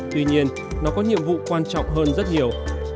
tuy nhiên nó có nhiệm vụ quan trọng hơn rất nhiều